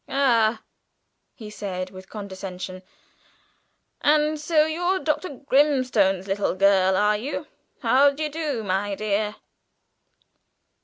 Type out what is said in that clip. "Ah," he said with condescension, "and so you're Dr. Grimstone's little girl, are you? How d'ye do, my dear?"